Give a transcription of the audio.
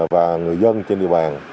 và người dân trên địa bàn